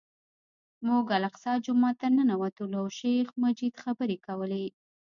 موږ الاقصی جومات ته ننوتلو او شیخ مجید خبرې کولې.